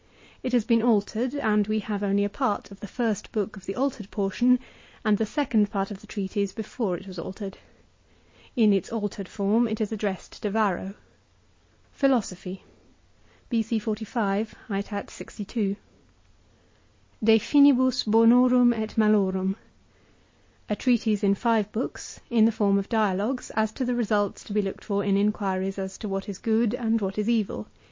It has been altered, and we have only a part of the first book of the altered portion and the. second part of the treatise before it was altered. In its altered form it is addressed to Varro.t De Finibus A treatise in five books, in the form of dialogues, Bonorum et as to the results to be looked for in inquiries as ilalorum. to what is good and what is evil.